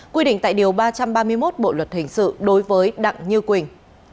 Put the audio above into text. quy định tại điều ba trăm ba mươi một bộ luật hình sự đối với đặng như quỳnh